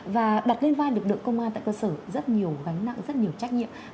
và đặt lên vai lực lượng công an tại cơ sở rất nhiều gánh nặng rất nhiều trách nhiệm